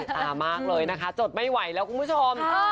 ตามากเลยนะคะจดไม่ไหวแล้วคุณผู้ชม